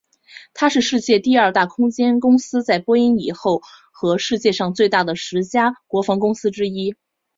它是世界第二大空间公司在波音以后和世界上最大的十家国防公司之一。